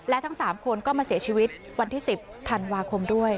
และทั้ง๓คนก็มาเสียชีวิตวันที่๑๐ธันวาคมด้วย